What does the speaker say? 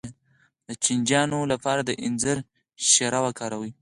د چینجیانو لپاره د انځر شیره وکاروئ